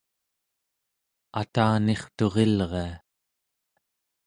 atanirturilria